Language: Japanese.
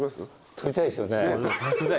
撮りたいですね。